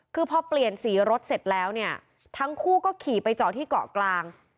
คือพอเปลี่ยนสีรถเสร็จแล้วเนี่ยทั้งคู่ก็ขี่ไปจอดที่เกาะกลาง